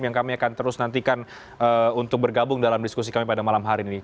yang kami akan terus nantikan untuk bergabung dalam diskusi kami pada malam hari ini